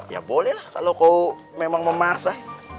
ya boleh lah kalau kau memang memaksa